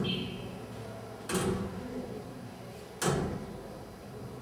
Nkambo yangu ari kuyaka chefu wa mukini